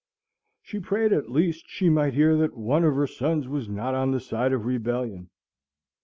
She prayed, at least, she might hear that one of her sons was not on the side of rebellion.